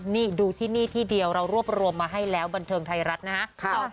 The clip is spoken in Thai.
นี่ดูที่นี่ที่เดียวเรารวบรวมมาให้แล้วบันเทิงไทยรัฐนะฮะ